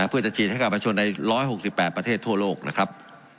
เพื่อจะฉีดให้กับประชนใน๑๖๘ประเทศทั่วโลกนะครับ